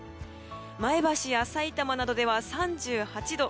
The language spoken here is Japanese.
前橋やさいたまなどでは３８度。